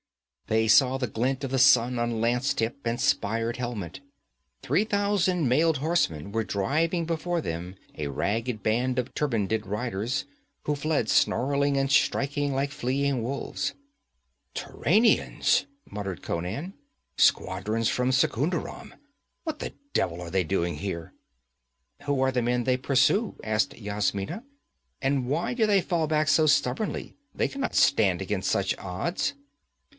They saw the glint of the sun on lance tip and spired helmet. Three thousand mailed horsemen were driving before them a ragged band of turbaned riders, who fled snarling and striking like fleeing wolves. 'Turanians,' muttered Conan. 'Squadrons from Secunderam. What the devil are they doing here?' 'Who are the men they pursue?' asked Yasmina. 'And why do they fall back so stubbornly? They can not stand against such odds.'